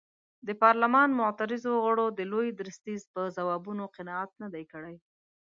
د پارلمان معترضو غړو د لوی درستیز په ځوابونو قناعت نه دی کړی.